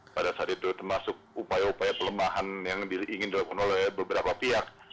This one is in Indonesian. pada saat itu termasuk upaya upaya pelemahan yang ingin dilakukan oleh beberapa pihak